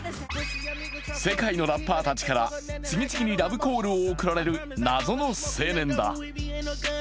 世界のラッパーたちから次々にラブコールを送られる謎の青年だ。